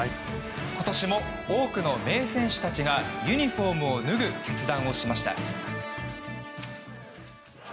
今年も多くの名選手たちがユニホームを脱ぐ決断をしました。